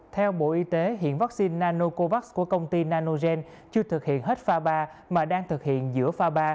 theo bộ y tế hiện vaccine nanocovax của công ty nanogen chưa thực hiện hết fa ba mà đang thực hiện giữa pha ba